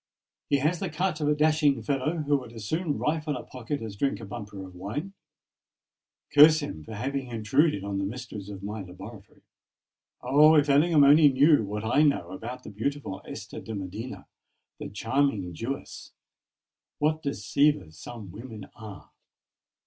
He has the cut of a dashing fellow who would as soon rifle a pocket as drink a bumper of wine. Curse him, for having intruded on the mysteries of my laboratory! Oh! if Ellingham only knew what I know about the beautiful Esther de Medina—the charming Jewess! What deceivers some women are!